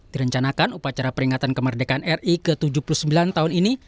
direncanakan upacara peringatan kemerdekaan ri ke tujuh puluh sembilan tahun ini